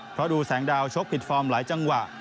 เพราะดูแสงดาวชกผิดฟอร์มหลายจังหวะ